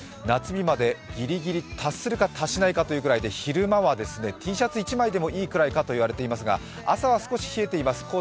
夏日までぎりぎり達するか達さないかというぐらいで昼間はＴシャツ１枚でもいいくらいかといわれていますが朝は少し冷えています。